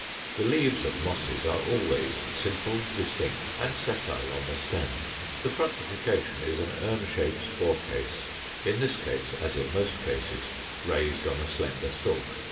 The leaves of Mosses are always simple, distinct, and sessile on the stem. The fructification is an urn shaped spore case, in this as in most cases raised on a slender stalk.